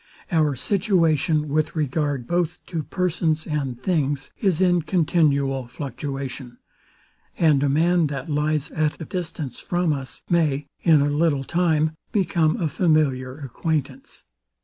Our situation, with regard both to persons and things, is in continual fluctuation; and a man, that lies at a distance from us, may, in a little time, become a familiar acquaintance.